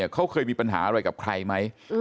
เขาเคยมีปัญหาอะไรกับใครไหม